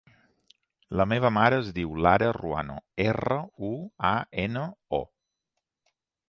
La meva mare es diu Lara Ruano: erra, u, a, ena, o.